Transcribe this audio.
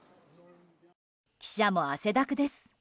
記者も汗だくです。